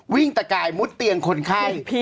ตะกายมุดเตียงคนไข้